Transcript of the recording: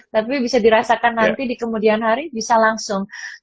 tapi bisa dirasakan nanti di kemudian hari bisa langsung